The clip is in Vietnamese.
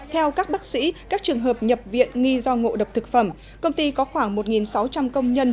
theo các bác sĩ các trường hợp nhập viện nghi do ngộ độc thực phẩm công ty có khoảng một sáu trăm linh công nhân